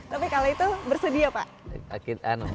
tapi kalau itu bersedia pak